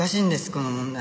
この問題。